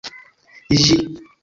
ĝi